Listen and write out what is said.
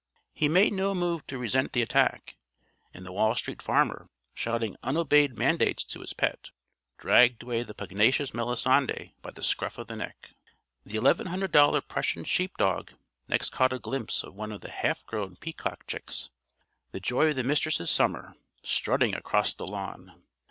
He made no move to resent the attack. And the Wall Street Farmer, shouting unobeyed mandates to his pet, dragged away the pugnacious Melisande by the scruff of the neck. The $1100 Prussian sheep dog next caught a glimpse of one of the half grown peacock chicks the joy of the Mistress' summer strutting across the lawn.